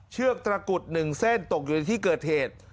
เชือกตระกุด๑เส้นตกอยู่ในที่เกิดเหตุ